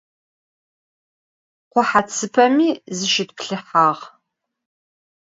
Khuheutsup'emi zışıtplhıhağ.